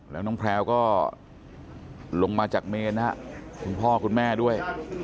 แล้วน้องแพลวก็ลงมาจากเมนนะครับคุณพ่อคุณแม่ด้วย